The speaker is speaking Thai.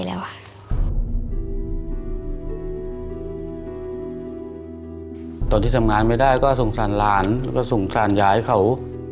ตอนที่ทำงานไม่ได้ก็สงสารหลานแล้วก็สงสารยายเขา